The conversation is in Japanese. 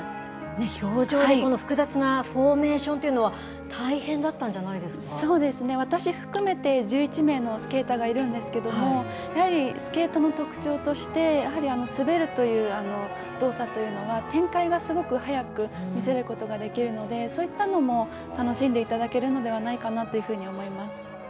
氷上で、この複雑なフォーメーションというのは大変だったんじゃそうですね、私含めて、１１名のスケーターがいるんですけども、やはりスケートの特徴として、やはり滑るという動作というのは、展開がすごく早く見せることができるので、そういったのも楽しんでいただけるのではないかなというふうに思います。